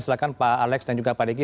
silahkan pak alex dan juga pak diki